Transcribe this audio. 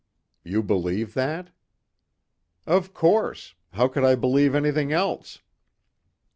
"You believe that?" "Of course. How could I believe anything else?"